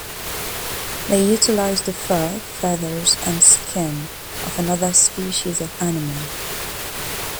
They utilize the fur, feathers, and skin of another species of animal.